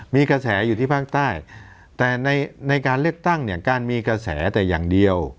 มีกระแสอยู่ที่ภาคใต้แต่ในการเลือกตั้งเนี่ยการมีกระแสแต่อย่างเดียว